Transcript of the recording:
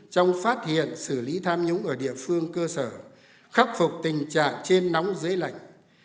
trong phát hiện xử lý tham nhũng ở địa phương cơ sở khắc phục tình trạng trên nóng dưới lạnh